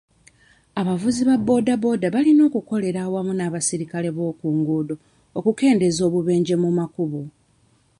Abavuzi ba booda booda balina okukolera awamu n'abaserikale b'okunguuddo okukendeeza obubenje ku makubo.